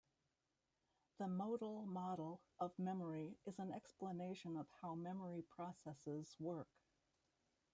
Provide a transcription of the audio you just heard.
The modal model of memory is an explanation of how memory processes work.